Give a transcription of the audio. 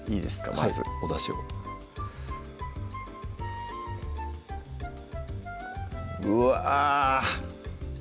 まずおだしをうわ！